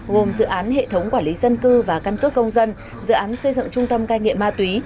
gồm dự án hệ thống quản lý dân cư và căn cước công dân dự án xây dựng trung tâm cai nghiện ma túy